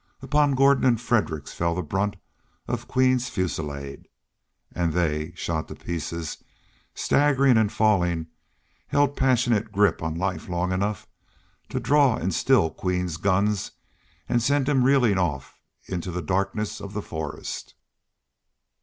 Upon Gordon and Fredericks fell the brunt of Queen's fusillade. And they, shot to pieces, staggering and falling, held passionate grip on life long enough to draw and still Queen's guns and send him reeling off into the darkness of the forest.